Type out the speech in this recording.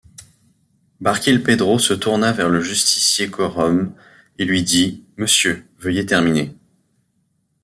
Barkilphedro se tourna vers le justicier-quorum, et lui dit: — Monsieur, veuillez terminer.